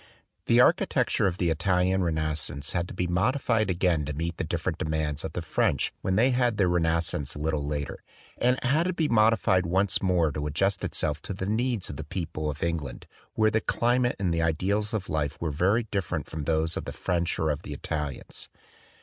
The architecture of the Italian Renascence had to be modified again to meet the different demands of the French when they had their Renascence a little later; and it had to be modi fied once more to adjust itself to the needs of the people of England, where the climate and the ideals of life were very different from those 52 THE DWELLING OF A DAY DREAM of the French or of the Italians.